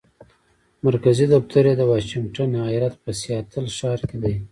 مرکزي دفتر یې د واشنګټن ایالت په سیاتل ښار کې دی.